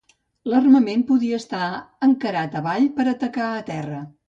L'armament podia estar encarat avall per atacar a terra.